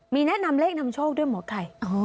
มีแนะนำเลขนำโชคด้วยหมอไก่